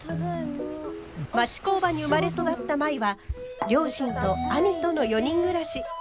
町工場に生まれ育った舞は両親と兄との４人暮らし。